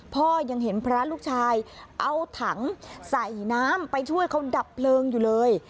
พ่อยังเห็นพระลูกชายเอาถังใส่น้ำไปช่วยเขาดับเพลิงอยู่เลย